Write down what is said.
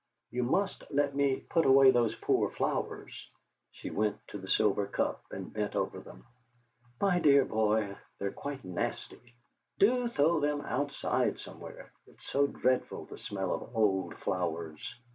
You must let me put away those poor flowers!" She went to the silver cup and bent over them. "My dear boy, they're quite nasty! Do throw them outside somewhere; it's so dreadful, the smell of old flowers!"